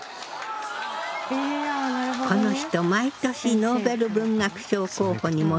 この人毎年ノーベル文学賞候補にも名前が挙がる